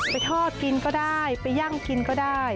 ทอดกินก็ได้ไปยั่งกินก็ได้